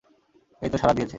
এইতো সাড়া দিয়েছে।